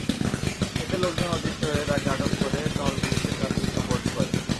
এতে লোকজন অতিষ্ঠ হয়ে তাঁকে আটক করে টহল পুলিশের কাছে সোপর্দ করে।